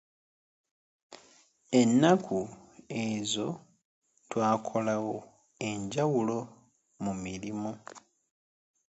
Ennaku ezo twakolawo enjawulo mu mirimu.